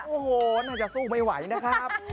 โอ้โหน่าจะสู้ไม่ไหวนะครับ